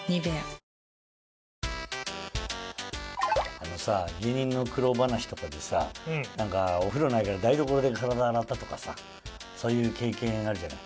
あのさ芸人の苦労話とかでさ何かお風呂ないから台所で体洗ったとかそういう経験あるじゃない。